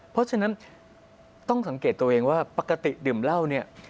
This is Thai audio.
เพราะฉะนั้นต้องสังเกตตัวเองว่าปกติดื่มเหล้าเนี่ย